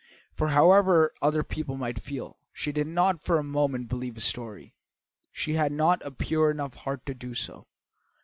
For, however other people might feel, she did not for a moment believe his story. She had not a pure enough heart to do so.